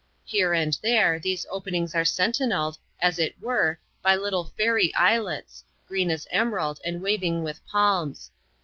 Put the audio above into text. Here and there, these openings are sentinelled, as it were, by little fairy islets, green as emerald, and waving w\\k ^^iXm&.